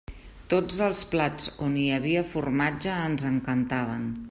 Tots els plats on hi havia formatge ens encantaven.